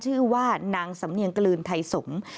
ชื่อว่านางสำเนียงกลืนไทยสงศ์